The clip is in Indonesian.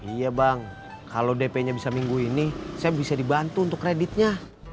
iya bang kalau dp nya bisa minggu ini saya bisa dibantu untuk kreditnya